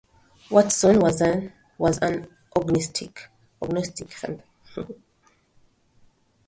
Watson was an agnostic.